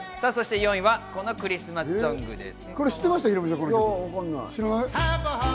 ４位はこのクリスマスソングです。